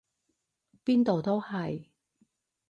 邊度都係！